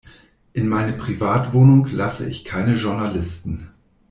In meine Privatwohnung lasse ich keine Journalisten.